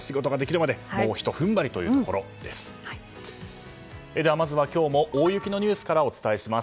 まずは今日も大雪のニュースからお伝えします。